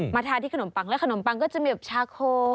มีแป้งขาว